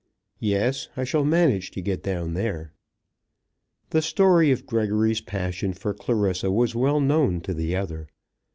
"Yes; I shall manage to get down there." The story of Gregory's passion for Clarissa was well known to the other.